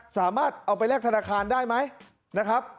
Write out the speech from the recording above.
สามารถเอาไปแลกธนาคารได้ไหมนะครับ